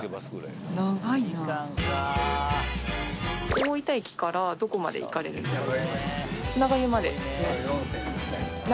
大分駅からどこまで行かれるんですか？